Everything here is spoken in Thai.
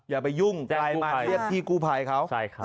อย่าไปยุ่งแจ้งกู้ภัยแจ้งพี่กู้ภัยเค้าใช่ครับ